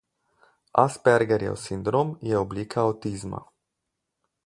Aspergerjev sindrom je oblika avtizma.